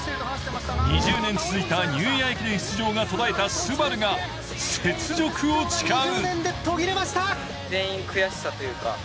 ２０年続いたニューイヤー出場が途絶えたＳＵＢＡＲＵが雪辱を誓う。